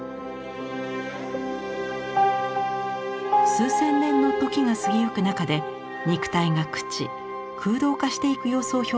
数千年の時が過ぎゆく中で肉体が朽ち空洞化していく様子を表現しました。